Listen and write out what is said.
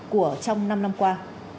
của trong năm năm qua